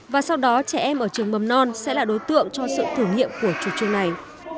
và sau đó trẻ em ở trường mầm non sẽ là đối tượng cho sự thử nghiệm của chủ trương này